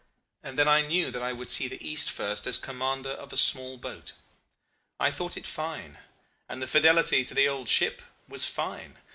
And then I knew that I would see the East first as commander of a small boat. I thought it fine; and the fidelity to the old ship was fine.